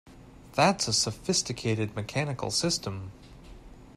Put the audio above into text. That's a sophisticated mechanical system!